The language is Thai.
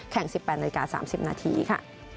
แข่ง๑๘นาที๓๐นาทีค่ะ